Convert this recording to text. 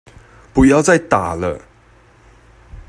不要再打了